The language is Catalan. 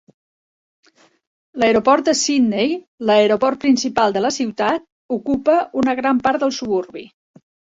L'aeroport de Sydney, l'aeroport principal de la ciutat, ocupa una gran part del suburbi.